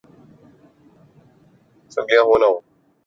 ملک میں اسمبلیاں ہوں یا نہ ہوں۔